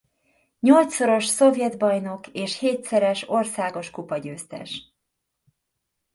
Nyolcszoros szovjet bajnok és hétszeres országos kupagyőztes.